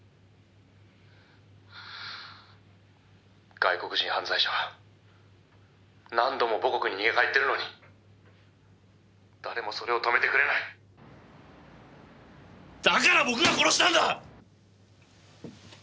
「外国人犯罪者は何度も母国に逃げ帰ってるのに誰もそれを止めてくれない」だから僕が殺したんだ！